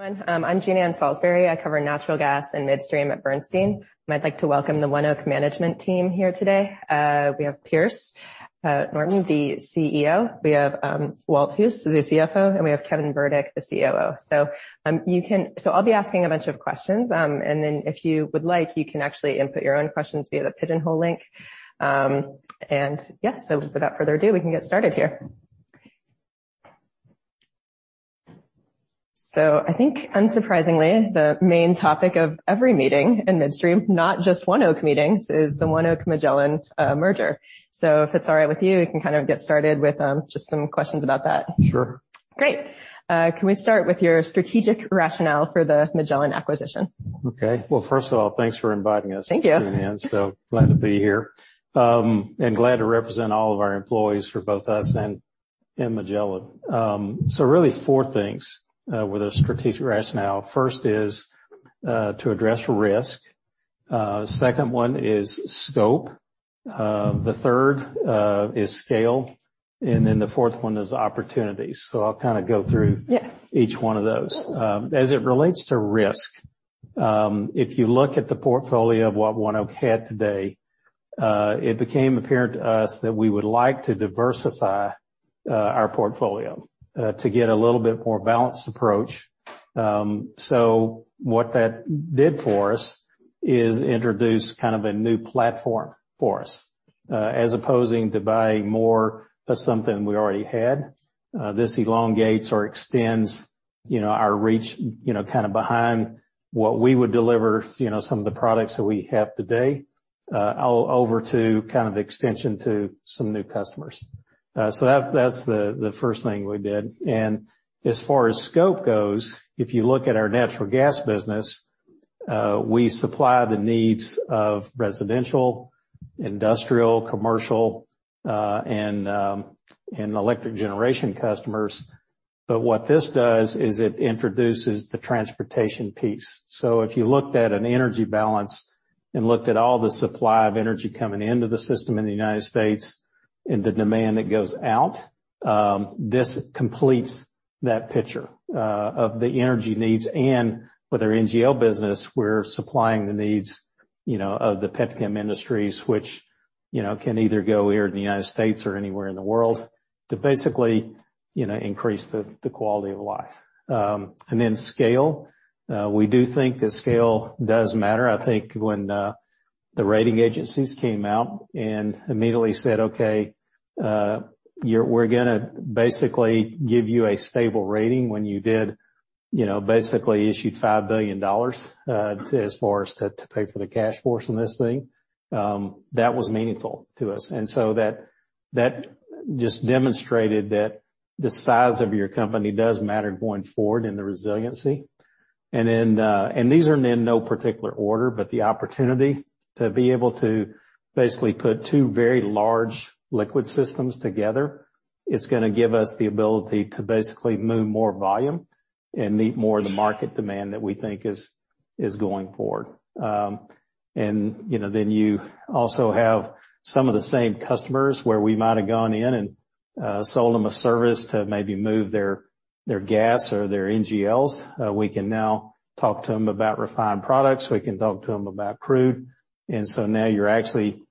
I'm Jean Ann Salisbury. I cover natural gas and midstream at Bernstein. I'd like to welcome the ONEOK management team here today. We have Pierce Norton, the CEO. We have Walt Hulse, the CFO, and we have Kevin Burdick, the COO. So I'll be asking a bunch of questions, and then if you would like, you can actually input your own questions via the Poll Everywhere link. And yeah, so without further ado, we can get started here. So I think unsurprisingly, the main topic of every meeting in midstream, not just ONEOK meetings, is the ONEOK-Magellan merger. So if it's all right with you, we can kind of get started with just some questions about that. Sure. Great. Can we start with your strategic rationale for the Magellan acquisition? Okay, well, first of all, thanks for inviting us. Thank you. Jean Ann, so glad to be here and glad to represent all of our employees for both us and Magellan. So really four things with a strategic rationale. First is to address risk. Second one is scope. The third is scale. And then the fourth one is opportunities. So I'll kind of go through each one of those. As it relates to risk, if you look at the portfolio of what ONEOK had today, it became apparent to us that we would like to diversify our portfolio to get a little bit more balanced approach. So what that did for us is introduce kind of a new platform for us as opposed to buying more of something we already had. This elongates or extends our reach kind of beyond what we would deliver, some of the products that we have today, over to kind of extension to some new customers. So that's the first thing we did. And as far as scope goes, if you look at our natural gas business, we supply the needs of residential, industrial, commercial, and electric generation customers. But what this does is it introduces the transportation piece. So if you looked at an energy balance and looked at all the supply of energy coming into the system in the United States and the demand that goes out, this completes that picture of the energy needs. And with our NGL business, we're supplying the needs of the petchem industries, which can either go here in the United States or anywhere in the world to basically increase the quality of life. And then scale, we do think that scale does matter. I think when the rating agencies came out and immediately said, "Okay, we're going to basically give you a stable rating," when you did basically issue $5 billion as far as to pay for the cash portion on this thing, that was meaningful to us, and so that just demonstrated that the size of your company does matter going forward in the resiliency, and these are in no particular order, but the opportunity to be able to basically put two very large liquid systems together, it's going to give us the ability to basically move more volume and meet more of the market demand that we think is going forward, and then you also have some of the same customers where we might have gone in and sold them a service to maybe move their gas or their NGLs. We can now talk to them about refined products. We can talk to them about crude. And so now you're actually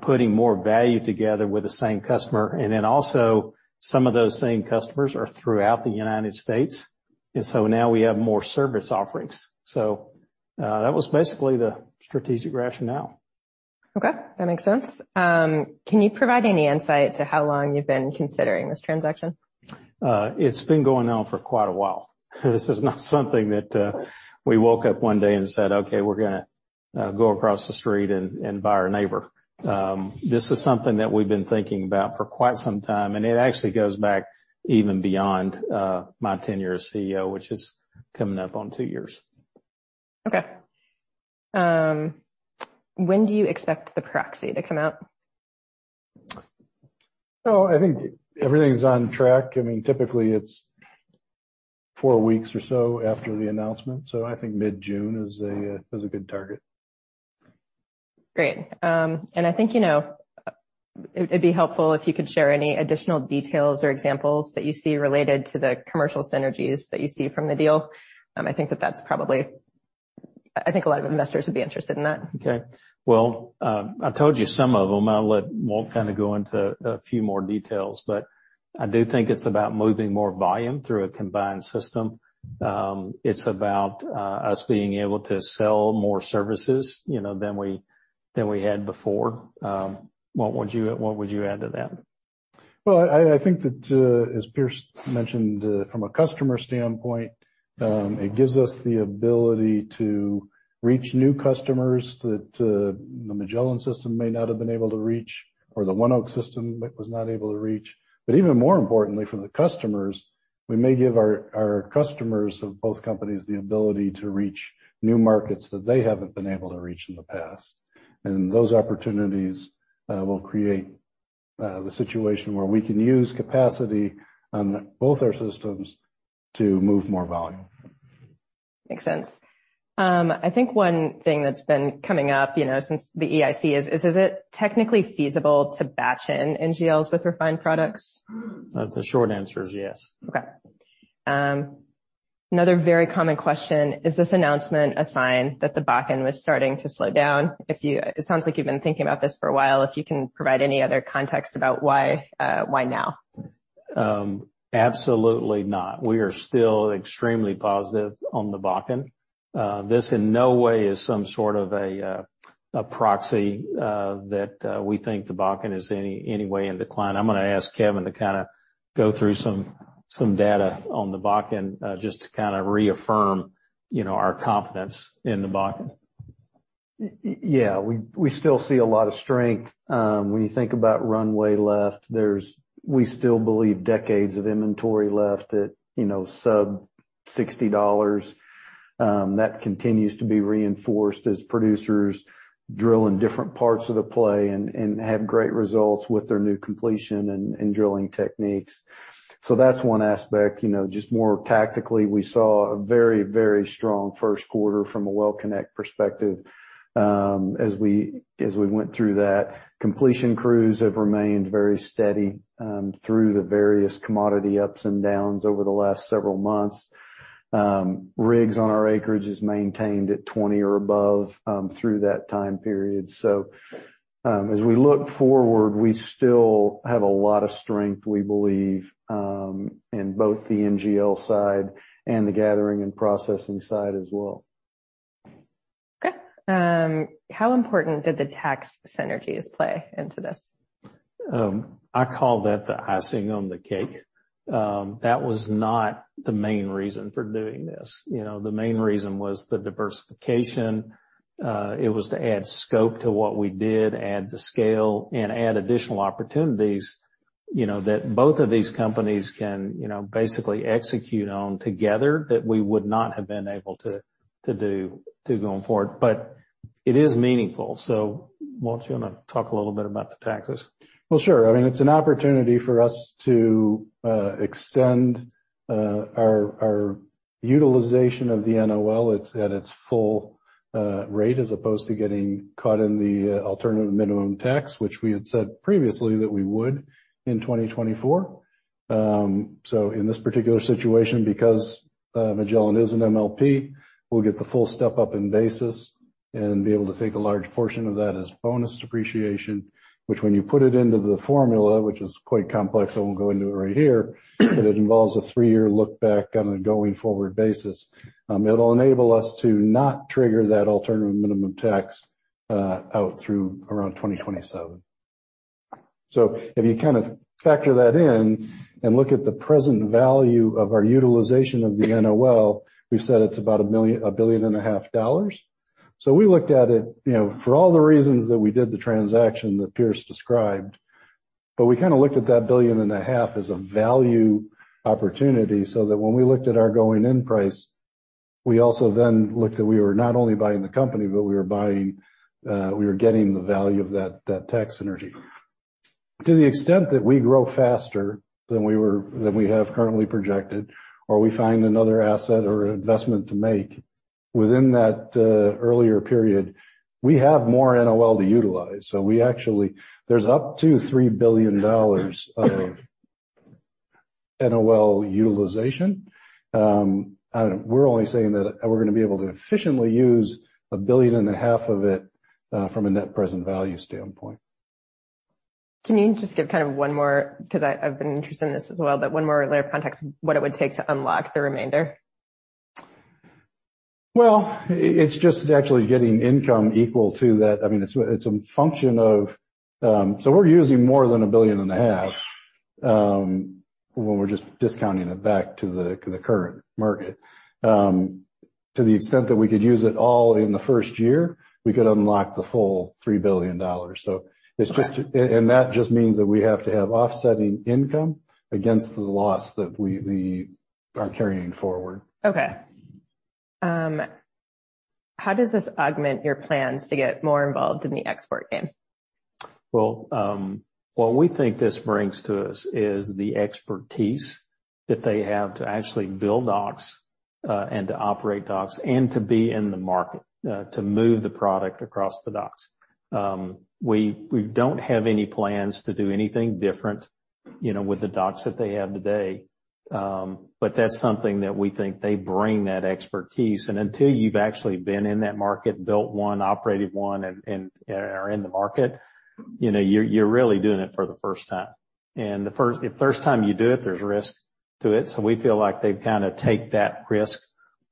putting more value together with the same customer. And then also some of those same customers are throughout the United States. And so now we have more service offerings. So that was basically the strategic rationale. Okay. That makes sense. Can you provide any insight to how long you've been considering this transaction? It's been going on for quite a while. This is not something that we woke up one day and said, "Okay, we're going to go across the street and buy our neighbor." This is something that we've been thinking about for quite some time, and it actually goes back even beyond my tenure as CEO, which is coming up on two years. Okay. When do you expect the proxy to come out? I think everything's on track. I mean, typically it's four weeks or so after the announcement. So I think mid-June is a good target. Great. I think it'd be helpful if you could share any additional details or examples that you see related to the commercial synergies that you see from the deal. I think that that's probably a lot of investors would be interested in that. Okay. Well, I told you some of them. I'll let Walt kind of go into a few more details. But I do think it's about moving more volume through a combined system. It's about us being able to sell more services than we had before. What would you add to that? Well, I think that, as Pierce mentioned, from a customer standpoint, it gives us the ability to reach new customers that the Magellan system may not have been able to reach or the ONEOK system was not able to reach. But even more importantly, for the customers, we may give our customers of both companies the ability to reach new markets that they haven't been able to reach in the past. And those opportunities will create the situation where we can use capacity on both our systems to move more volume. Makes sense. I think one thing that's been coming up since the EIC is, is it technically feasible to batch in NGLs with refined products? The short answer is yes. Okay. Another very common question: Is this announcement a sign that the Bakken was starting to slow down? It sounds like you've been thinking about this for a while. If you can provide any other context about why now? Absolutely not. We are still extremely positive on the Bakken. This in no way is some sort of a proxy that we think the Bakken is any way in decline. I'm going to ask Kevin to kind of go through some data on the Bakken just to kind of reaffirm our confidence in the Bakken.Yeah. We still see a lot of strength. When you think about runway left, we still believe decades of inventory left at sub $60. That continues to be reinforced as producers drill in different parts of the play and have great results with their new completion and drilling techniques. So that's one aspect. Just more tactically, we saw a very, very strong first quarter from a well-connect perspective as we went through that. Completion crews have remained very steady through the various commodity ups and downs over the last several months. Rigs on our acreage is maintained at 20 or above through that time period. So as we look forward, we still have a lot of strength, we believe, in both the NGL side and the gathering and processing side as well. Okay. How important did the tax synergies play into this? I call that the icing on the cake. That was not the main reason for doing this. The main reason was the diversification. It was to add scope to what we did, add the scale, and add additional opportunities that both of these companies can basically execute on together that we would not have been able to do going forward. But it is meaningful. So Walt, do you want to talk a little bit about the taxes? Well, sure. I mean, it's an opportunity for us to extend our utilization of the NOL at its full rate as opposed to getting caught in the alternative minimum tax, which we had said previously that we would in 2024. So in this particular situation, because Magellan is an MLP, we'll get the full step up in basis and be able to take a large portion of that as bonus depreciation, which when you put it into the formula, which is quite complex, I won't go into it right here, but it involves a three-year look back on a going forward basis. It'll enable us to not trigger that alternative minimum tax out through around 2027. So if you kind of factor that in and look at the present value of our utilization of the NOL, we've said it's about $1.5 billion. So we looked at it for all the reasons that we did the transaction that Pierce described, but we kind of looked at that $1.5 billion as a value opportunity so that when we looked at our going in price, we also then looked that we were not only buying the company, but we were getting the value of that tax synergy. To the extent that we grow faster than we have currently projected or we find another asset or investment to make within that earlier period, we have more NOL to utilize. So there's up to $3 billion of NOL utilization. We're only saying that we're going to be able to efficiently use $1.5 billion of it from a net present value standpoint. Can you just give kind of one more, because I've been interested in this as well, but one more layer of context of what it would take to unlock the remainder? Can you just give kind of one more, because I've been interested in this as well, but one more layer of context of what it would take to unlock the remainder? It's just actually getting income equal to that. I mean, it's a function of, so we're using more than $1.5 billion when we're just discounting it back to the current market. To the extent that we could use it all in the first year, we could unlock the full $3 billion. And that just means that we have to have offsetting income against the loss that we are carrying forward. Okay. How does this augment your plans to get more involved in the export game? What we think this brings to us is the expertise that they have to actually build docks and to operate docks and to be in the market to move the product across the docks. We don't have any plans to do anything different with the docks that they have today. But that's something that we think they bring that expertise. And until you've actually been in that market, built one, operated one, and are in the market, you're really doing it for the first time. And the first time you do it, there's risk to it. So we feel like they've kind of taken that risk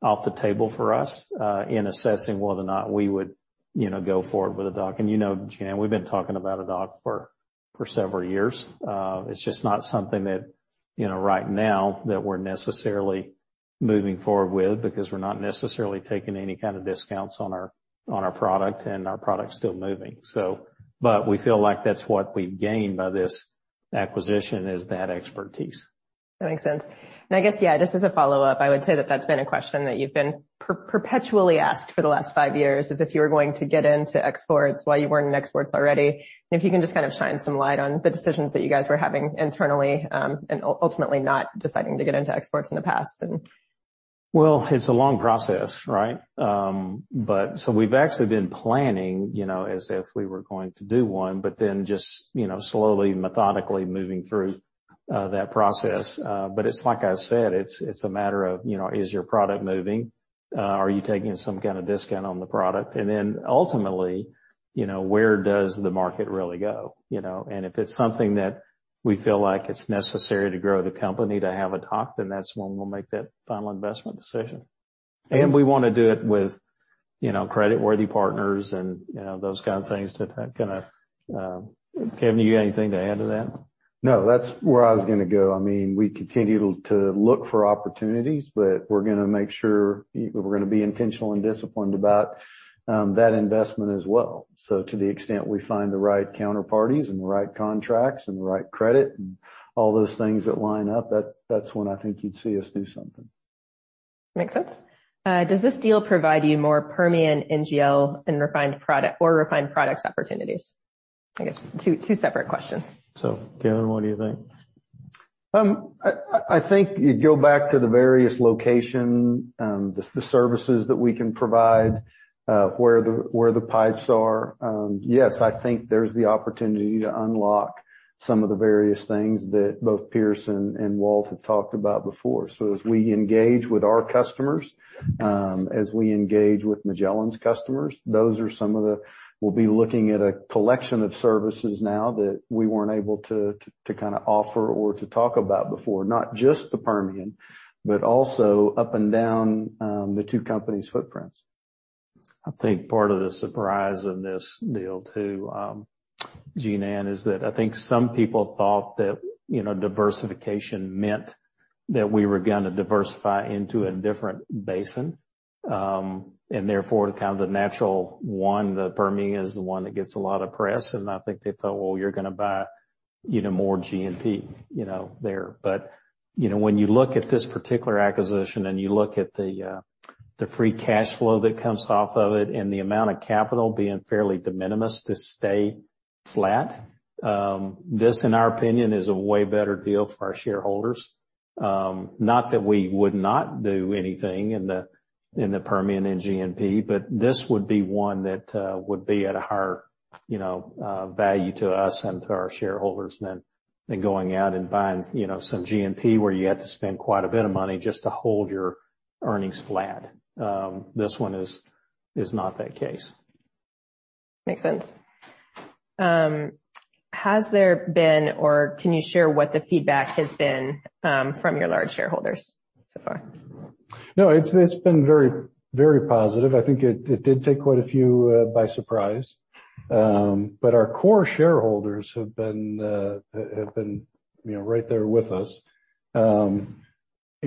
off the table for us in assessing whether or not we would go forward with a dock. And you know, Jean, we've been talking about a dock for several years. It's just not something that right now that we're necessarily moving forward with because we're not necessarily taking any kind of discounts on our product and our product's still moving. But we feel like that's what we've gained by this acquisition is that expertise. That makes sense, and I guess, yeah, just as a follow-up, I would say that that's been a question that you've been perpetually asked for the last five years is if you were going to get into exports while you weren't in exports already, and if you can just kind of shine some light on the decisions that you guys were having internally and ultimately not deciding to get into exports in the past. It's a long process, right? So we've actually been planning as if we were going to do one, but then just slowly, methodically moving through that process. But it's like I said, it's a matter of is your product moving? Are you taking some kind of discount on the product? And then ultimately, where does the market really go? And if it's something that we feel like it's necessary to grow the company to have a dock, then that's when we'll make that final investment decision. And we want to do it with creditworthy partners and those kind of things to kind of Kevin, do you have anything to add to that? No, that's where I was going to go. I mean, we continue to look for opportunities, but we're going to make sure we're going to be intentional and disciplined about that investment as well. So to the extent we find the right counterparties and the right contracts and the right credit and all those things that line up, that's when I think you'd see us do something. Makes sense. Does this deal provide you more Permian NGL and refined products opportunities? I guess two separate questions. Kevin, what do you think? I think you go back to the various locations, the services that we can provide, where the pipes are. Yes, I think there's the opportunity to unlock some of the various things that both Pierce and Walt have talked about before. So as we engage with our customers, as we engage with Magellan's customers, those are some of the we'll be looking at a collection of services now that we weren't able to kind of offer or to talk about before, not just the Permian, but also up and down the two companies' footprints. I think part of the surprise of this deal too, Jean Ann, is that I think some people thought that diversification meant that we were going to diversify into a different basin, and therefore, kind of the natural one, the Permian is the one that gets a lot of press. And I think they thought, well, you're going to buy more G&P there. But when you look at this particular acquisition and you look at the free cash flow that comes off of it and the amount of capital being fairly de minimis to stay flat, this, in our opinion, is a way better deal for our shareholders. Not that we would not do anything in the Permian and G&P, but this would be one that would be at a higher value to us and to our shareholders than going out and buying some G&P where you have to spend quite a bit of money just to hold your earnings flat. This one is not that case. Makes sense. Has there been or can you share what the feedback has been from your large shareholders so far? No, it's been very, very positive. I think it did take quite a few by surprise. But our core shareholders have been right there with us.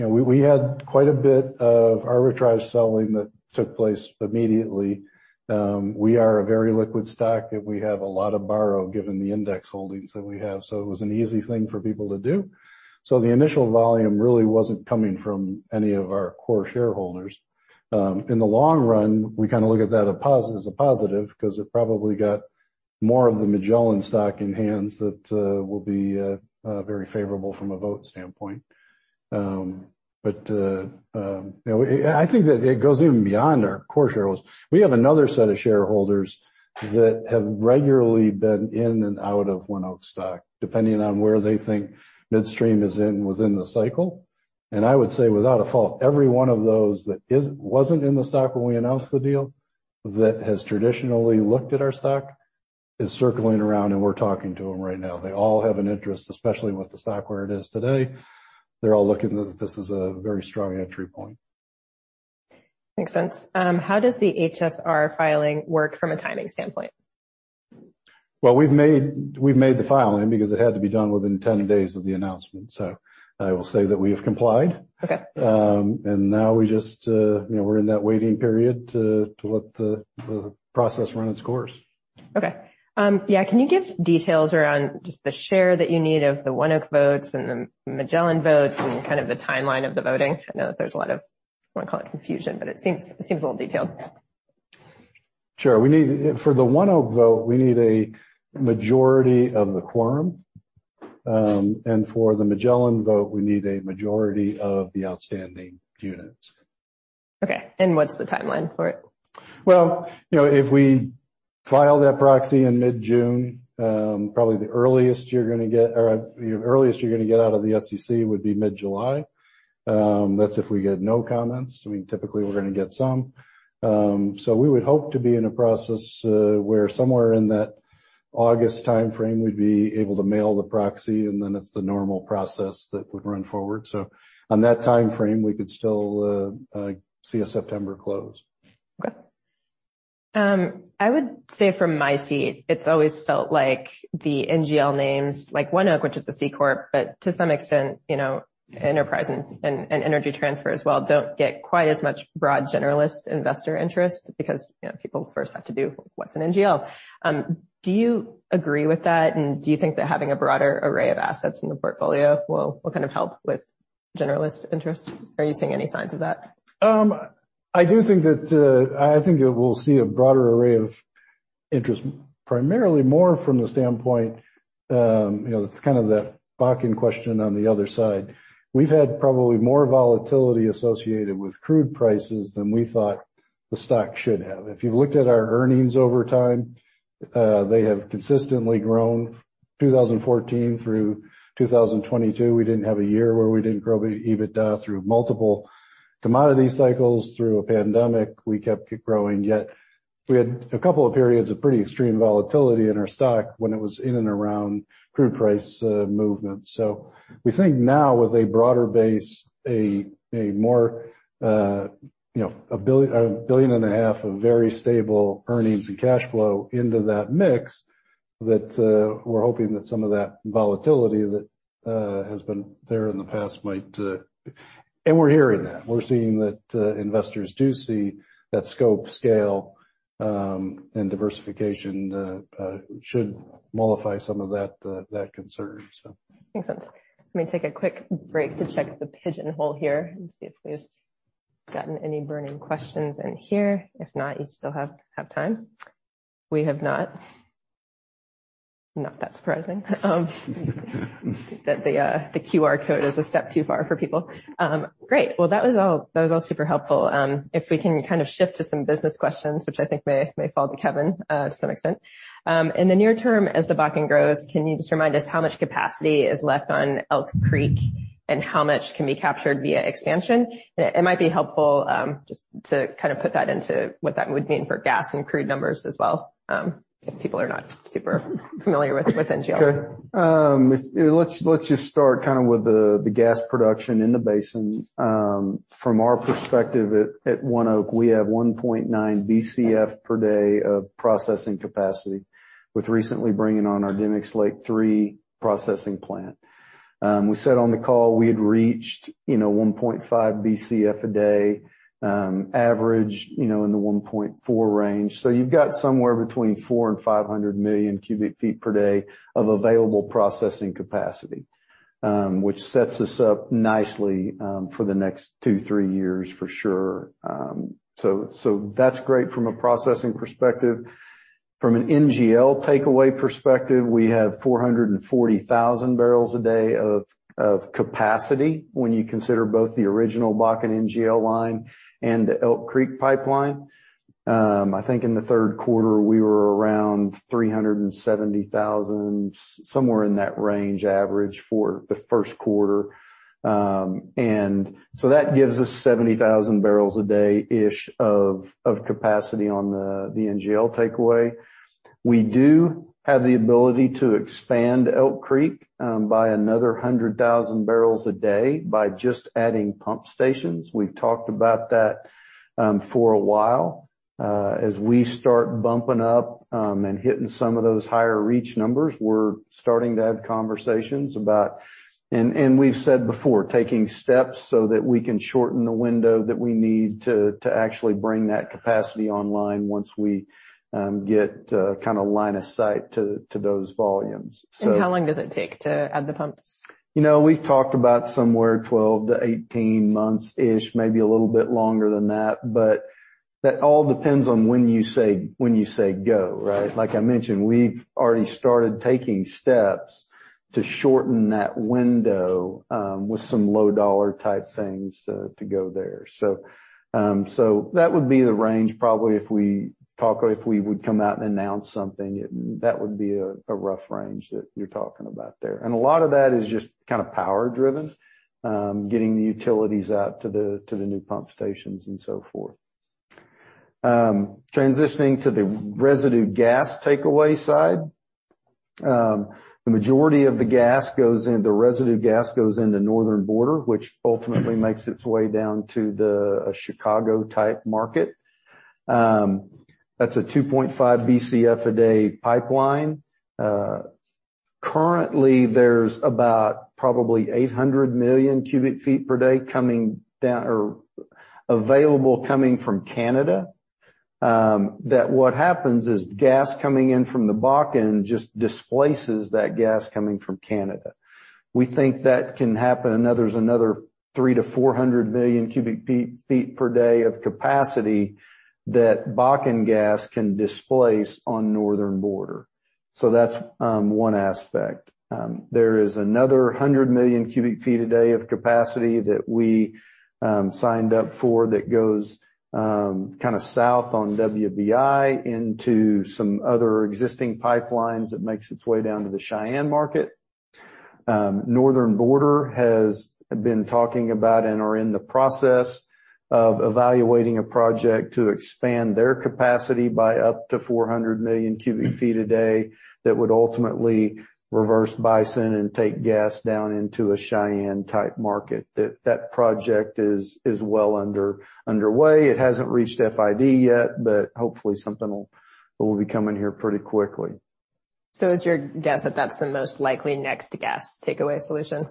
We had quite a bit of arbitrage selling that took place immediately. We are a very liquid stock, and we have a lot of borrow given the index holdings that we have. So it was an easy thing for people to do. So the initial volume really wasn't coming from any of our core shareholders. In the long run, we kind of look at that as a positive because it probably got more of the Magellan stock in hands that will be very favorable from a vote standpoint. But I think that it goes even beyond our core shareholders. We have another set of shareholders that have regularly been in and out of ONEOK stock, depending on where they think midstream is within the cycle. And I would say without a fault, every one of those that wasn't in the stock when we announced the deal that has traditionally looked at our stock is circling around, and we're talking to them right now. They all have an interest, especially with the stock where it is today. They're all looking at this as a very strong entry point. Makes sense. How does the HSR filing work from a timing standpoint? We've made the filing because it had to be done within 10 days of the announcement. I will say that we have complied. Now we just, we're in that waiting period to let the process run its course. Okay. Yeah. Can you give details around just the share that you need of the ONEOK votes and the Magellan votes and kind of the timeline of the voting? I know that there's a lot of, I want to call it confusion, but it seems a little detailed. Sure. For the ONEOK vote, we need a majority of the quorum, and for the Magellan vote, we need a majority of the outstanding units. Okay. And what's the timeline for it? If we file that proxy in mid-June, probably the earliest you're going to get out of the SEC would be mid-July. That's if we get no comments. I mean, typically we're going to get some. We would hope to be in a process where somewhere in that August timeframe we'd be able to mail the proxy, and then it's the normal process that would run forward. On that timeframe, we could still see a September close. Okay. I would say from my seat, it's always felt like the NGL names, like ONEOK, which is a C Corp, but to some extent, Enterprise and Energy Transfer as well don't get quite as much broad generalist investor interest because people first have to do what's an NGL. Do you agree with that? And do you think that having a broader array of assets in the portfolio will kind of help with generalist interest? Are you seeing any signs of that? I do think we'll see a broader array of interest, primarily more from the standpoint that's kind of that Bakken question on the other side. We've had probably more volatility associated with crude prices than we thought the stock should have. If you've looked at our earnings over time, they have consistently grown. 2014 through 2022, we didn't have a year where we didn't grow EBITDA, but even through multiple commodity cycles, through a pandemic, we kept growing. Yet we had a couple of periods of pretty extreme volatility in our stock when it was in and around crude price movements. So we think now with a broader base, a more $1.5 billion of very stable earnings and cash flow into that mix, that we're hoping that some of that volatility that has been there in the past might and we're hearing that. We're seeing that investors do see that scope, scale, and diversification should mollify some of that concern. Makes sense. Let me take a quick break to check the pigeonhole here and see if we've gotten any burning questions in here. If not, you still have time. We have not. Not that surprising that the QR code is a step too far for people. Great. Well, that was all super helpful. If we can kind of shift to some business questions, which I think may fall to Kevin to some extent. In the near term, as the Bakken grows, can you just remind us how much capacity is left on Elk Creek and how much can be captured via expansion? It might be helpful just to kind of put that into what that would mean for gas and crude numbers as well if people are not super familiar with NGL. Okay. Let's just start kind of with the gas production in the basin. From our perspective at ONEOK, we have 1.9 BCF per day of processing capacity with recently bringing on our Demicks Lake III processing plant. We said on the call we had reached 1.5 BCF a day, average in the 1.4 range. So you've got somewhere between 4 and 500 million cubic feet per day of available processing capacity, which sets us up nicely for the next two, three years for sure. So that's great from a processing perspective. From an NGL takeaway perspective, we have 440,000 barrels a day of capacity when you consider both the original Bakken NGL line and the Elk Creek pipeline. I think in the third quarter, we were around 370,000, somewhere in that range average for the first quarter. And so that gives us 70,000 barrels a day-ish of capacity on the NGL takeaway. We do have the ability to expand Elk Creek by another 100,000 barrels a day by just adding pump stations. We've talked about that for a while. As we start bumping up and hitting some of those higher reach numbers, we're starting to have conversations about, and we've said before, taking steps so that we can shorten the window that we need to actually bring that capacity online once we get kind of line of sight to those volumes. How long does it take to add the pumps? We've talked about somewhere 12 to 18 months-ish, maybe a little bit longer than that. But that all depends on when you say go, right? Like I mentioned, we've already started taking steps to shorten that window with some low-dollar type things to go there. So that would be the range probably if we talk if we would come out and announce something, that would be a rough range that you're talking about there. And a lot of that is just kind of power-driven, getting the utilities out to the new pump stations and so forth. Transitioning to the residue gas takeaway side, the majority of the gas goes into residue gas goes into Northern Border, which ultimately makes its way down to the Chicago type market. That's a 2.5 BCF a day pipeline. Currently, there's about probably 800 million cubic feet per day coming down or available coming from Canada. That's what happens is gas coming in from the Bakken just displaces that gas coming from Canada. We think that can happen, and there's another 3-400 million cubic feet per day of capacity that Bakken gas can displace on Northern Border. That's one aspect, so there is another 100 million cubic feet a day of capacity that we signed up for that goes kind of South on WBI into some other existing pipelines that makes its way down to the Cheyenne market. Northern Border has been talking about and are in the process of evaluating a project to expand their capacity by up to 400 million cubic feet a day that would ultimately reverse Bison and take gas down into a Cheyenne-type market. That project is well underway. It hasn't reached FID yet, but hopefully something will be coming here pretty quickly. So is your guess that that's the most likely next gas takeaway solution?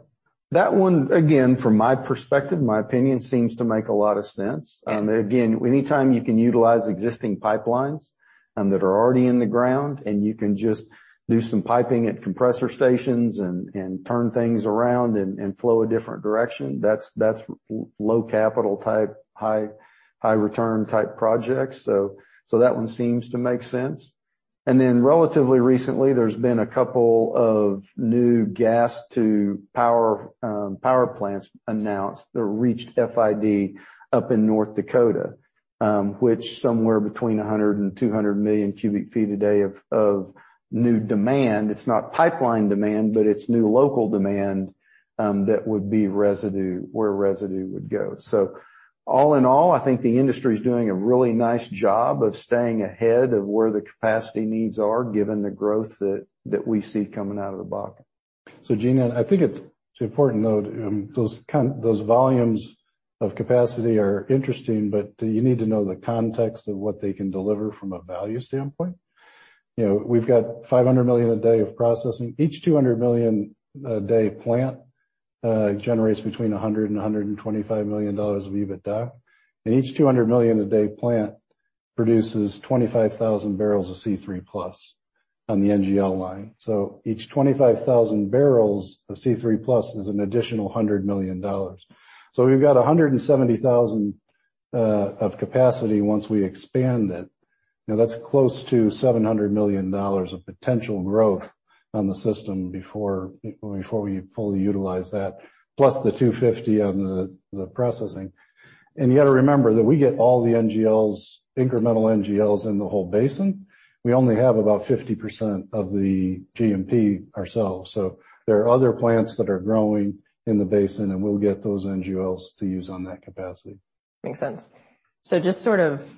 That one, again, from my perspective, my opinion seems to make a lot of sense. Again, anytime you can utilize existing pipelines that are already in the ground and you can just do some piping at compressor stations and turn things around and flow a different direction, that's low capital type, high return type projects. So that one seems to make sense. And then relatively recently, there's been a couple of new gas to power plants announced that reached FID up in North Dakota, which somewhere between 100 and 200 million cubic feet a day of new demand. It's not pipeline demand, but it's new local demand that would be residue where residue would go. So all in all, I think the industry is doing a really nice job of staying ahead of where the capacity needs are given the growth that we see coming out of the Bakken. Jean, I think it's important to note those volumes of capacity are interesting, but you need to know the context of what they can deliver from a value standpoint. We've got 500 million a day of processing. Each 200 million a day plant generates between $100 million and $125 million of EBITDA. And each 200 million a day plant produces 25,000 barrels of C3+ on the NGL line. So each 25,000 barrels of C3 Plus is an additional $100 million. So we've got 170,000 of capacity once we expand it. That's close to $700 million of potential growth on the system before we fully utilize that, plus the 250 on the processing. And you got to remember that we get all the NGLs, incremental NGLs in the whole basin. We only have about 50% of the GMP ourselves. So there are other plants that are growing in the basin, and we'll get those NGLs to use on that capacity. Makes sense. So just sort of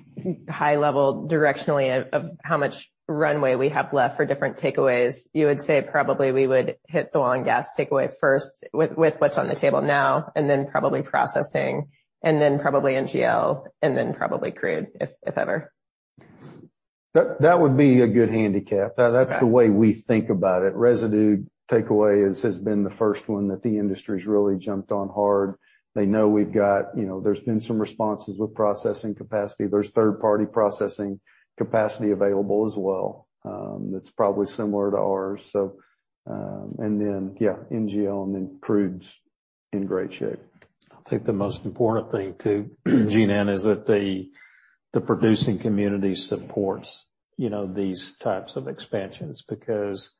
high level directionally of how much runway we have left for different takeaways, you would say probably we would hit the ONEOK gas takeaway first with what's on the table now, and then probably processing, and then probably NGL, and then probably crude if ever. That would be a good handicap. That's the way we think about it. Residue takeaway has been the first one that the industry has really jumped on hard. They know we've got. There's been some responses with processing capacity. There's third-party processing capacity available as well. That's probably similar to ours. And then, yeah, NGL and then crude's in great shape. I think the most important thing too, Jean, is that the producing community supports these types of expansions because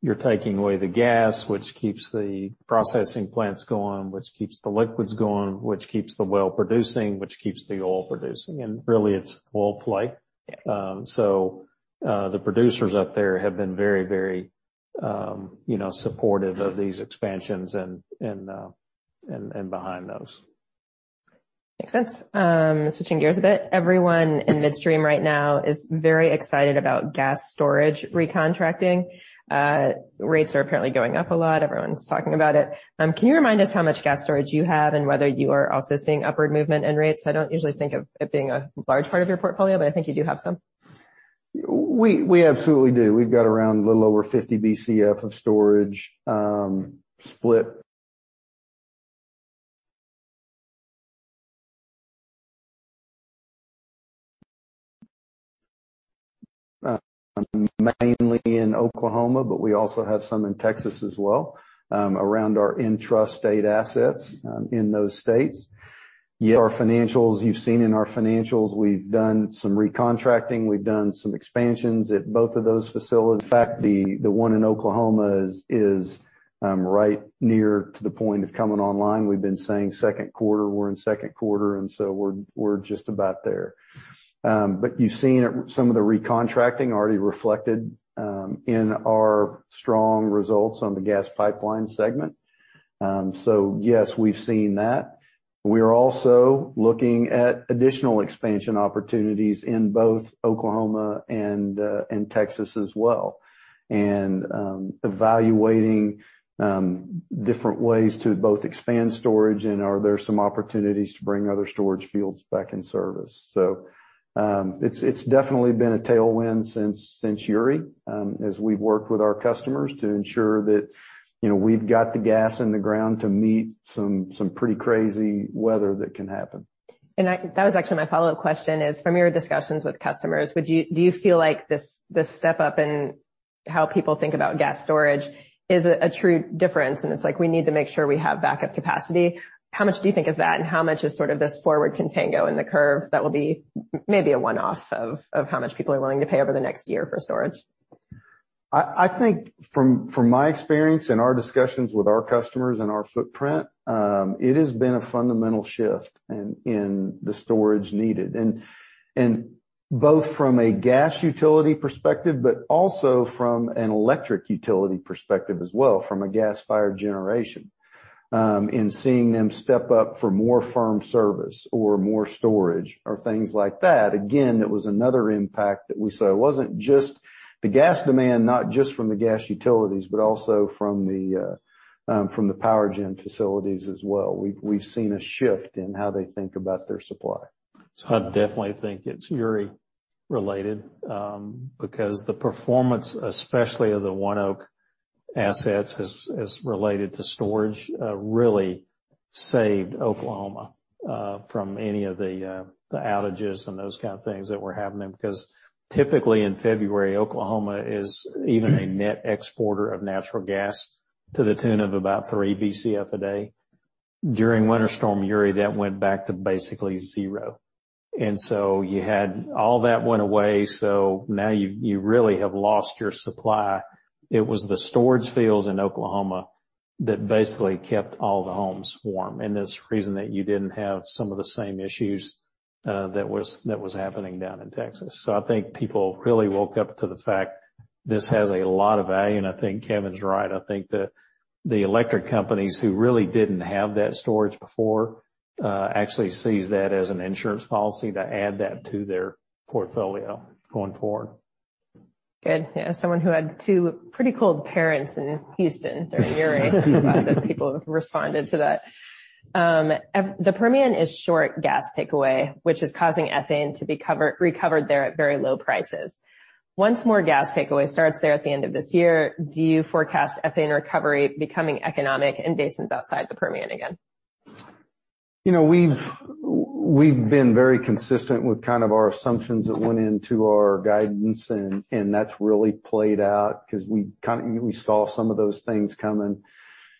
you're taking away the gas, which keeps the processing plants going, which keeps the liquids going, which keeps the well producing, which keeps the oil producing. And really, it's oil play. So the producers up there have been very, very supportive of these expansions and behind those. Makes sense. Switching gears a bit. Everyone in midstream right now is very excited about gas storage recontracting. Rates are apparently going up a lot. Everyone's talking about it. Can you remind us how much gas storage you have and whether you are also seeing upward movement in rates? I don't usually think of it being a large part of your portfolio, but I think you do have some. We absolutely do. We've got around a little over 50 BCF of storage split mainly in Oklahoma, but we also have some in Texas as well around our intrastate assets in those states. Our financials, you've seen in our financials, we've done some recontracting. We've done some expansions at both of those facilities. In fact, the one in Oklahoma is right near to the point of coming online. We've been saying second quarter, we're in second quarter, and so we're just about there. But you've seen some of the recontracting already reflected in our strong results on the gas pipeline segment. So yes, we've seen that. We are also looking at additional expansion opportunities in both Oklahoma and Texas as well and evaluating different ways to both expand storage and are there some opportunities to bring other storage fields back in service. So it's definitely been a tailwind since Uri as we've worked with our customers to ensure that we've got the gas in the ground to meet some pretty crazy weather that can happen. That was actually my follow-up question is from your discussions with customers, do you feel like this step up in how people think about gas storage is a true difference and it's like we need to make sure we have backup capacity? How much do you think is that and how much is sort of this forward contango in the curve that will be maybe a one-off of how much people are willing to pay over the next year for storage? I think from my experience and our discussions with our customers and our footprint, it has been a fundamental shift in the storage needed, and both from a gas utility perspective, but also from an electric utility perspective as well, from a gas-fired generation and seeing them step up for more firm service or more storage or things like that. Again, it was another impact that we saw. It wasn't just the gas demand, not just from the gas utilities, but also from the power gen facilities as well. We've seen a shift in how they think about their supply, so I definitely think it's Uri related because the performance, especially of the ONEOK assets as related to storage, really saved Oklahoma from any of the outages and those kind of things that were happening. Because typically in February, Oklahoma is even a net exporter of natural gas to the tune of about 3 BCF a day. During Winter Storm Uri, that went back to basically zero. And so you had all that went away. So now you really have lost your supply. It was the storage fields in Oklahoma that basically kept all the homes warm and the reason that you didn't have some of the same issues that were happening down in Texas. So I think people really woke up to the fact this has a lot of value. And I think Kevin's right. I think the electric companies who really didn't have that storage before actually see that as an insurance policy to add that to their portfolio going forward. Good. As someone who had two pretty cold parents in Houston during Uri, a lot of people have responded to that. The Permian is short gas takeaway, which is causing ethane to be recovered there at very low prices. Once more gas takeaway starts there at the end of this year, do you forecast ethane recovery becoming economic in basins outside the Permian again? We've been very consistent with kind of our assumptions that went into our guidance, and that's really played out because we saw some of those things coming.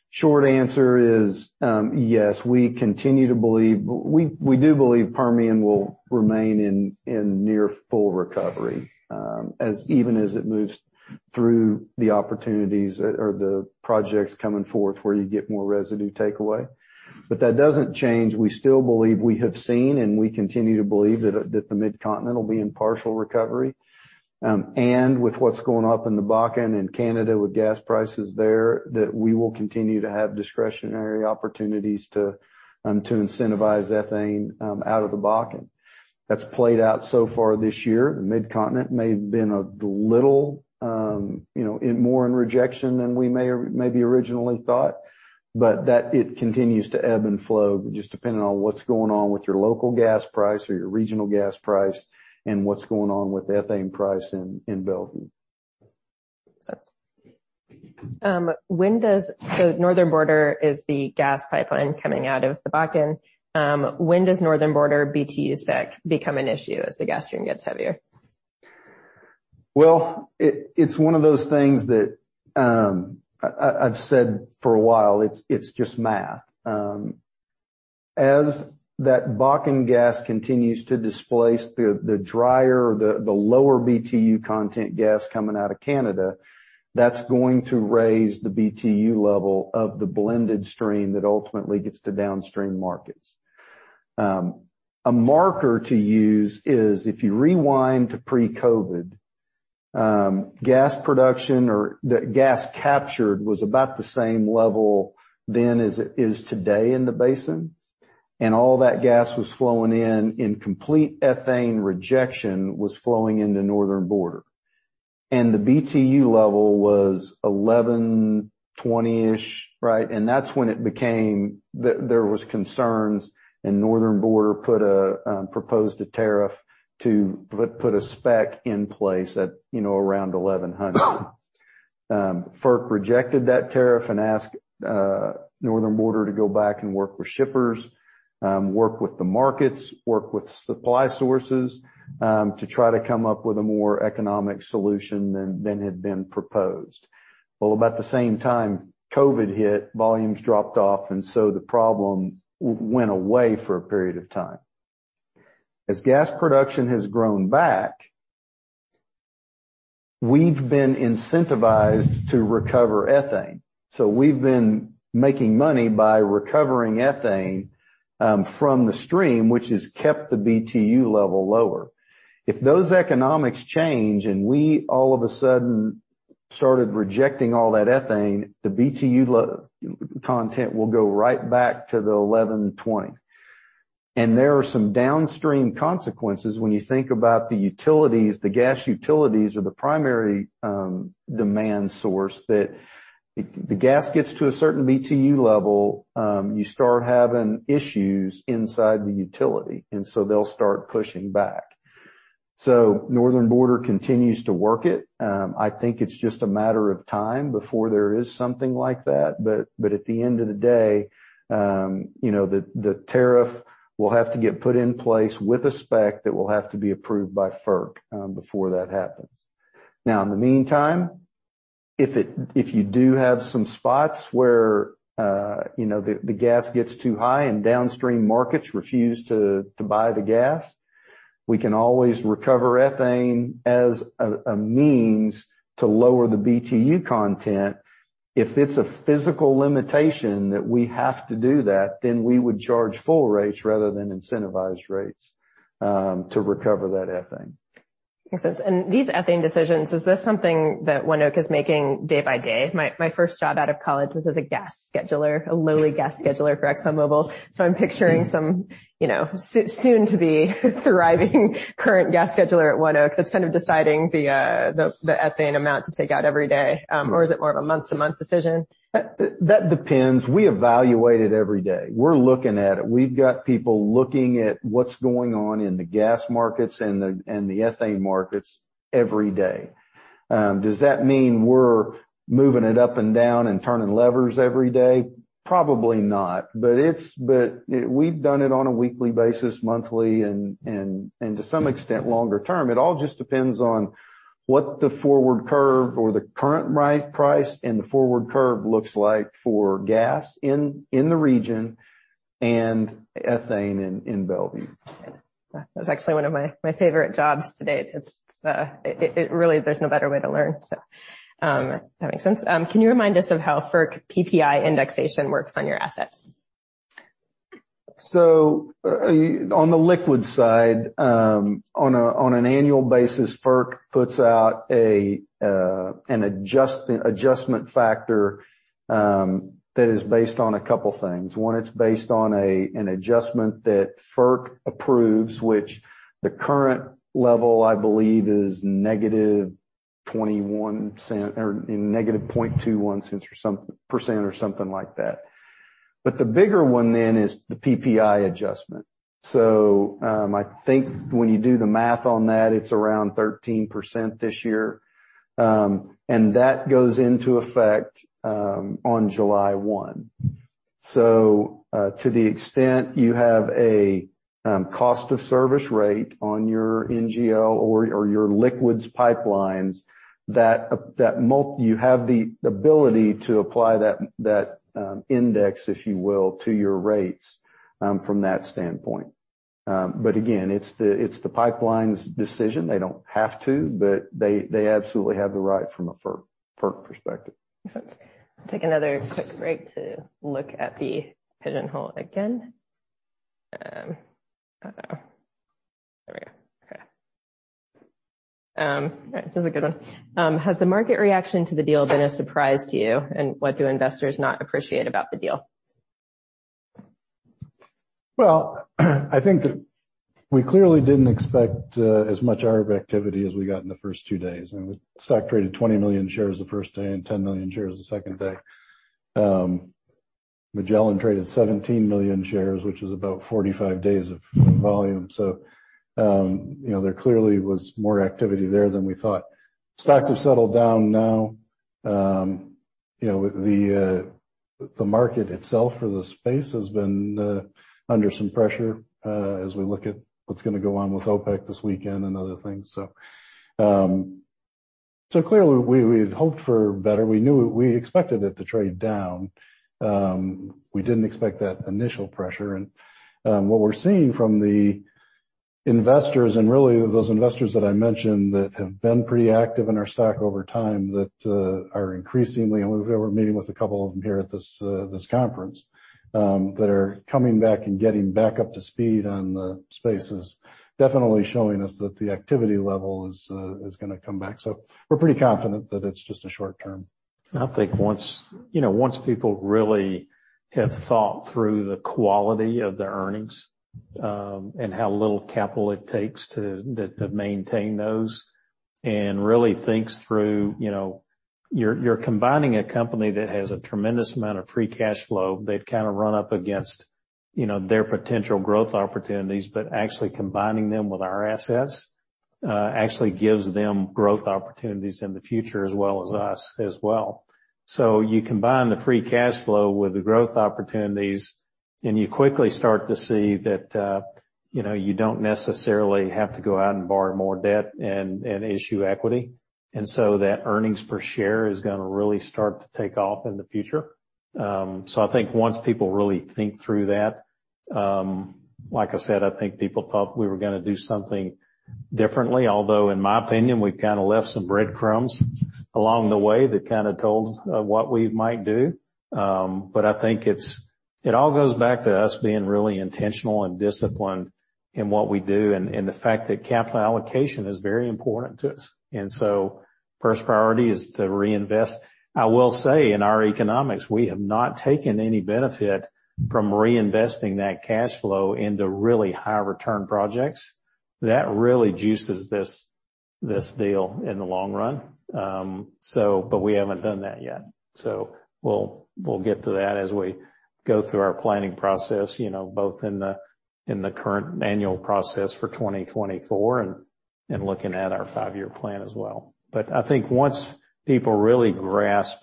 Short answer is yes, we continue to believe. We do believe Permian will remain in near full recovery even as it moves through the opportunities or the projects coming forth where you get more residue takeaway, but that doesn't change. We still believe we have seen and we continue to believe that the Mid-Continent will be in partial recovery, and with what's going up in the Bakken and Canada with gas prices there, that we will continue to have discretionary opportunities to incentivize ethane out of the Bakken. That's played out so far this year. The Mid-Continent may have been a little more in injection than we maybe originally thought, but that it continues to ebb and flow just depending on what's going on with your local gas price or your regional gas price and what's going on with ethane price in Belgium. Makes sense. So Northern Border is the gas pipeline coming out of the Bakken. When does Northern Border BTUs become an issue as the gas stream gets heavier? It's one of those things that I've said for a while, it's just math. As that Bakken gas continues to displace the drier, the lower BTU content gas coming out of Canada, that's going to raise the BTU level of the blended stream that ultimately gets to downstream markets. A marker to use is if you rewind to pre-COVID, gas production or gas captured was about the same level then as it is today in the basin. And all that gas was flowing in, and complete ethane rejection was flowing into Northern Border. And the BTU level was 1120-ish, right? And that's when it became there was concerns and Northern Border proposed a tariff to put a spec in place at around 1100. FERC rejected that tariff and asked Northern Border to go back and work with shippers, work with the markets, work with supply sources to try to come up with a more economic solution than had been proposed, well about the same time, COVID hit, volumes dropped off, and so the problem went away for a period of time. As gas production has grown back, we've been incentivized to recover ethane, so we've been making money by recovering ethane from the stream, which has kept the BTU level lower. If those economics change and we all of a sudden started rejecting all that ethane, the BTU content will go right back to the 1,120. There are some downstream consequences when you think about the utilities, the gas utilities are the primary demand source that the gas gets to a certain BTU level, you start having issues inside the utility, and so they'll start pushing back. Northern Border continues to work it. I think it's just a matter of time before there is something like that. At the end of the day, the tariff will have to get put in place with a spec that will have to be approved by FERC before that happens. Now, in the meantime, if you do have some spots where the gas gets too high and downstream markets refuse to buy the gas, we can always recover ethane as a means to lower the BTU content. If it's a physical limitation that we have to do that, then we would charge full rates rather than incentivized rates to recover that ethane. Makes sense, and these ethane decisions, is this something that ONEOK is making day by day? My first job out of college was as a gas scheduler, a lowly gas scheduler for ExxonMobil, so I'm picturing some soon-to-be thriving current gas scheduler at ONEOK that's kind of deciding the ethane amount to take out every day, or is it more of a month-to-month decision? That depends. We evaluate it every day. We're looking at it. We've got people looking at what's going on in the gas markets and the ethane markets every day. Does that mean we're moving it up and down and turning levers every day? Probably not. But we've done it on a weekly basis, monthly, and to some extent longer term. It all just depends on what the forward curve or the current price and the forward curve looks like for gas in the region and ethane in Belgium. That's actually one of my favorite jobs to date. It really, there's no better way to learn. So that makes sense. Can you remind us of how FERC PPI indexation works on your assets? On the liquid side, on an annual basis, FERC puts out an adjustment factor that is based on a couple of things. One, it's based on an adjustment that FERC approves, which the current level, I believe, is negative 0.21 cents or percent or something like that. The bigger one then is the PPI adjustment. I think when you do the math on that, it's around 13% this year. That goes into effect on July 1. To the extent you have a cost of service rate on your NGL or your liquids pipelines, that you have the ability to apply that index, if you will, to your rates from that standpoint. Again, it's the pipelines' decision. They don't have to, but they absolutely have the right from a FERC perspective. I'll take another quick break to look at the PowerPoint again. There we go. Okay. All right. This is a good one. Has the market reaction to the deal been a surprise to you, and what do investors not appreciate about the deal? I think that we clearly didn't expect as much arbitrage activity as we got in the first two days. The stock traded 20 million shares the first day and 10 million shares the second day. Magellan traded 17 million shares, which is about 45 days of volume. So there clearly was more activity there than we thought. Stocks have settled down now. The market itself for the space has been under some pressure as we look at what's going to go on with OPEC this weekend and other things. So clearly, we had hoped for better. We expected it to trade down. We didn't expect that initial pressure. And what we're seeing from the investors and really those investors that I mentioned that have been pretty active in our stock over time that are increasingly, and we've been meeting with a couple of them here at this conference, that are coming back and getting back up to speed on the space is definitely showing us that the activity level is going to come back. So we're pretty confident that it's just a short term. I think once people really have thought through the quality of their earnings and how little capital it takes to maintain those and really thinks through, you're combining a company that has a tremendous amount of free cash flow that kind of run up against their potential growth opportunities, but actually combining them with our assets actually gives them growth opportunities in the future as well as us as well. So you combine the free cash flow with the growth opportunities, and you quickly start to see that you don't necessarily have to go out and borrow more debt and issue equity. And so that earnings per share is going to really start to take off in the future. So I think once people really think through that, like I said, I think people thought we were going to do something differently, although in my opinion, we've kind of left some breadcrumbs along the way that kind of told what we might do. But I think it all goes back to us being really intentional and disciplined in what we do and the fact that capital allocation is very important to us. And so first priority is to reinvest. I will say in our economics, we have not taken any benefit from reinvesting that cash flow into really high return projects. That really juices this deal in the long run. But we haven't done that yet. So we'll get to that as we go through our planning process, both in the current annual process for 2024 and looking at our five-year plan as well. But I think once people really grasp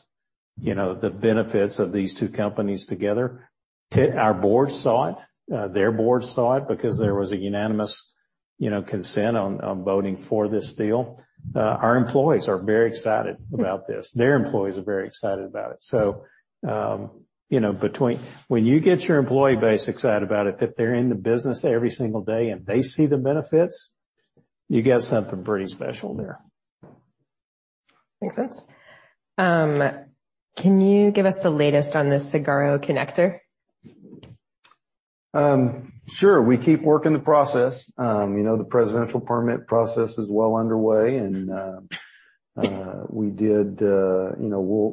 the benefits of these two companies together, our board saw it, their board saw it because there was a unanimous consent on voting for this deal. Our employees are very excited about this. Their employees are very excited about it. So when you get your employee base excited about it, that they're in the business every single day and they see the benefits, you get something pretty special there. Makes sense. Can you give us the latest on the Saguaro Connector? Sure. We keep working the process. The presidential permit process is well underway, and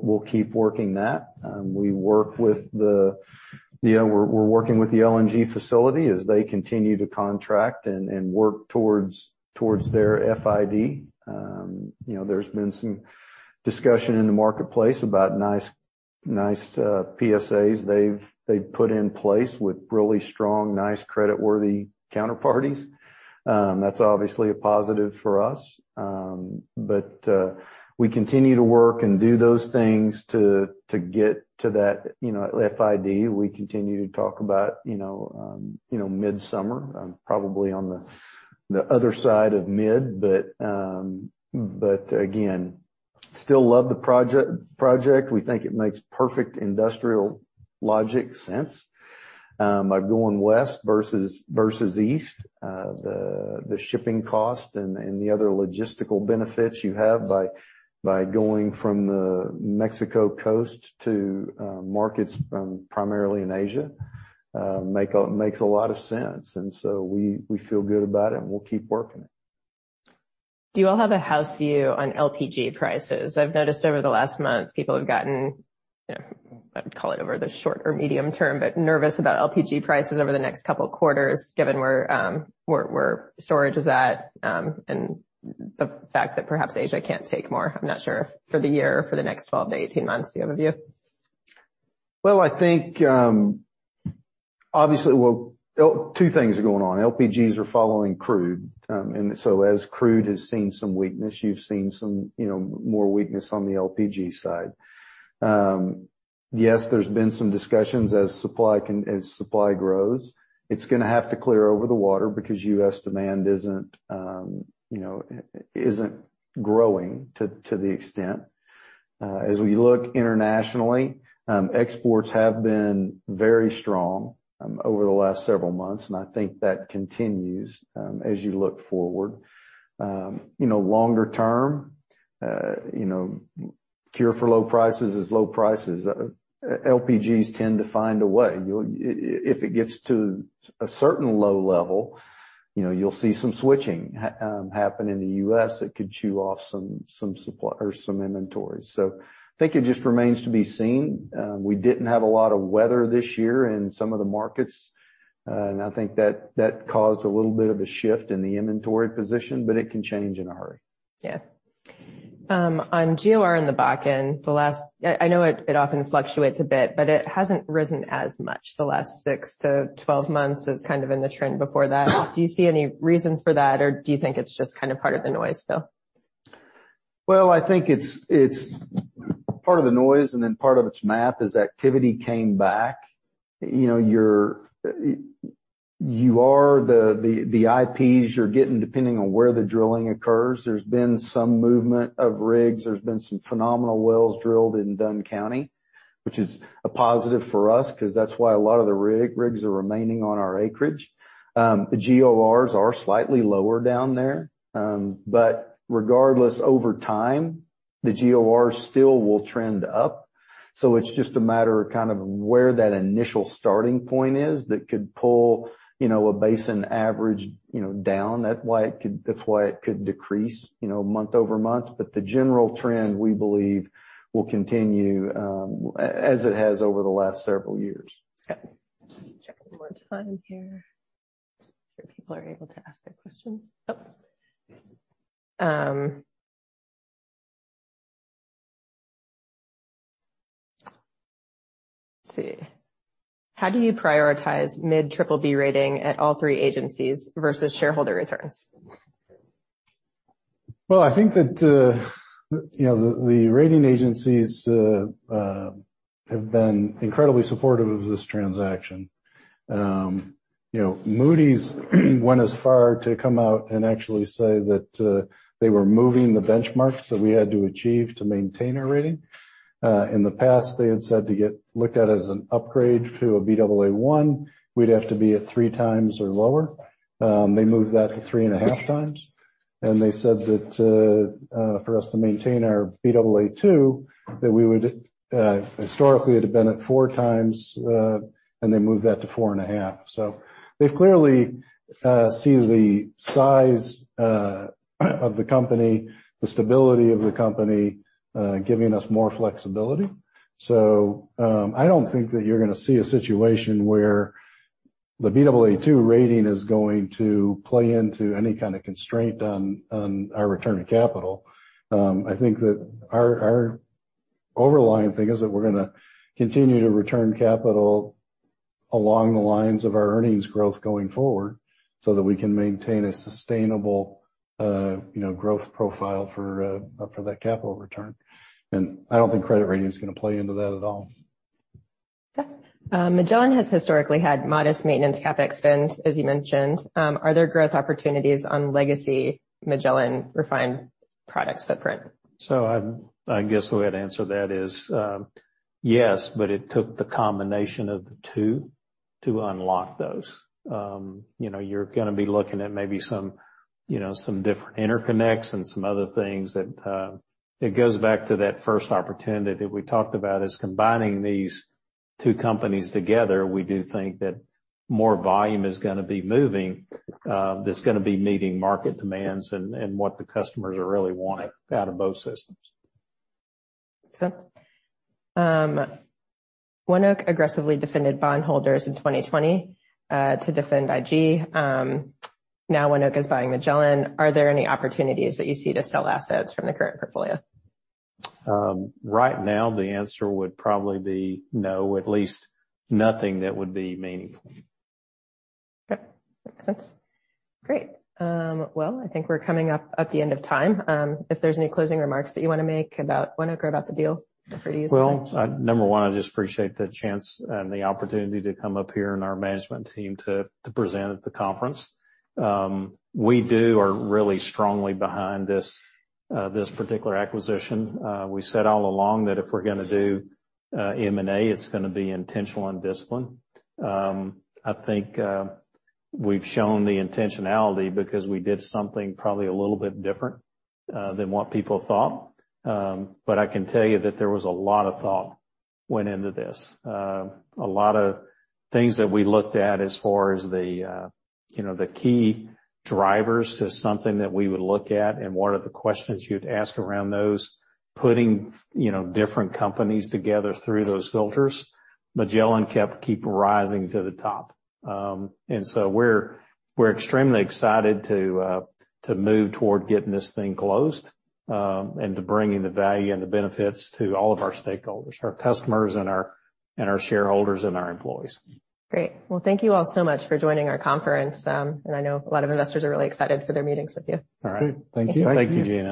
we'll keep working that. We're working with the LNG facility as they continue to contract and work towards their FID. There's been some discussion in the marketplace about nice PSAs they've put in place with really strong, nice, creditworthy counterparties. That's obviously a positive for us. But we continue to work and do those things to get to that FID. We continue to talk about midsummer, probably on the other side of mid. But again, still love the project. We think it makes perfect industrial logic sense by going west versus east. The shipping cost and the other logistical benefits you have by going from the Mexico coast to markets primarily in Asia makes a lot of sense. And so we feel good about it, and we'll keep working it. Do you all have a house view on LPG prices? I've noticed over the last month, people have gotten, I'd call it over the short or medium term, but nervous about LPG prices over the next couple of quarters, given where storage is at and the fact that perhaps Asia can't take more. I'm not sure if for the year or for the next 12-18 months. Do you have a view? I think obviously, two things are going on. LPGs are following crude. And so as crude has seen some weakness, you've seen some more weakness on the LPG side. Yes, there's been some discussions as supply grows. It's going to have to clear over the water because U.S. demand isn't growing to the extent. As we look internationally, exports have been very strong over the last several months, and I think that continues as you look forward. Longer term, cure for low prices is low prices. LPGs tend to find a way. If it gets to a certain low level, you'll see some switching happen in the U.S. that could chew off some inventory. So I think it just remains to be seen. We didn't have a lot of weather this year in some of the markets, and I think that caused a little bit of a shift in the inventory position, but it can change in a hurry. Yeah. On GOR in the Bakken, I know it often fluctuates a bit, but it hasn't risen as much the last 6 to 12 months as kind of in the trend before that. Do you see any reasons for that, or do you think it's just kind of part of the noise still? I think it's part of the noise, and then part of its math is activity came back. The IPs you're getting depending on where the drilling occurs. There's been some movement of rigs. There's been some phenomenal wells drilled in Dunn County, which is a positive for us because that's why a lot of the rigs are remaining on our acreage. The GORs are slightly lower down there. But regardless, over time, the GORs still will trend up. It's just a matter of kind of where that initial starting point is that could pull a basin average down. That's why it could decrease month over month. But the general trend, we believe, will continue as it has over the last several years. Okay. Let me check one more time here. Make sure people are able to ask their questions. Oh. Let's see. How do you prioritize mid-BBB rating at all three agencies versus shareholder returns? I think that the rating agencies have been incredibly supportive of this transaction. Moody's went as far to come out and actually say that they were moving the benchmarks that we had to achieve to maintain our rating. In the past, they had said to get looked at as an upgrade to a Baa1, we'd have to be at three times or lower. They moved that to three and a half times. And they said that for us to maintain our Baa2, that we would historically have been at four times, and they moved that to four and a half. So they've clearly seen the size of the company, the stability of the company, giving us more flexibility. So I don't think that you're going to see a situation where the Baa2 rating is going to play into any kind of constraint on our return on capital. I think that our overlying thing is that we're going to continue to return capital along the lines of our earnings growth going forward so that we can maintain a sustainable growth profile for that capital return. And I don't think credit rating is going to play into that at all. Okay. Magellan has historically had modest maintenance CapEx spend, as you mentioned. Are there growth opportunities on legacy Magellan refined products footprint? So I guess the way to answer that is yes, but it took the combination of the two to unlock those. You're going to be looking at maybe some different interconnects and some other things, that it goes back to that first opportunity that we talked about is combining these two companies together. We do think that more volume is going to be moving, that's going to be meeting market demands and what the customers are really wanting out of both systems. Makes sense. ONEOK aggressively defended bondholders in 2020 to defend IG. Now ONEOK is buying Magellan. Are there any opportunities that you see to sell assets from the current portfolio? Right now, the answer would probably be no, at least nothing that would be meaningful. Okay. Makes sense. Great. Well, I think we're coming up at the end of time. If there's any closing remarks that you want to make about ONEOK or about the deal, feel free to use them. Number one, I just appreciate the chance and the opportunity to come up here and our management team to present at the conference. We are really strongly behind this particular acquisition. We said all along that if we're going to do M&A, it's going to be intentional and disciplined. I think we've shown the intentionality because we did something probably a little bit different than what people thought. But I can tell you that there was a lot of thought went into this. A lot of things that we looked at as far as the key drivers to something that we would look at and what are the questions you'd ask around those, putting different companies together through those filters, Magellan kept rising to the top. We're extremely excited to move toward getting this thing closed and to bringing the value and the benefits to all of our stakeholders, our customers, and our shareholders and our employees. Great. Well, thank you all so much for joining our conference, and I know a lot of investors are really excited for their meetings with you. All right. Thank you. Thank you, Jean.